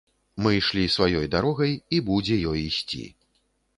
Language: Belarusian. Мы ішлі сваёй дарогай, і будзе ёй ісці.